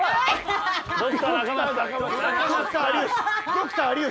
ドクター有吉。